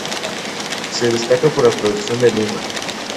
Se destaca por la producción de Lima